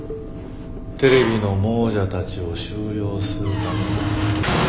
テレビの亡物たちを収容するための。